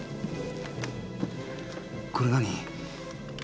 これ何？